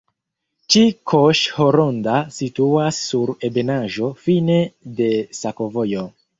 Ĉikoŝ-Horonda situas sur ebenaĵo fine de sakovojo.